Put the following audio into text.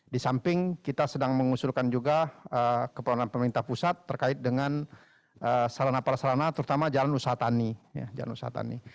di samping kita sedang mengusulkan juga keperluan pemerintah pusat terkait dengan sarana parasarana terutama jalan usaha tani